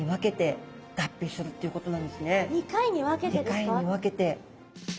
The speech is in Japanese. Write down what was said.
２回に分けて。